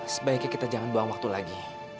sebaiknya kita jangan buang waktu lagi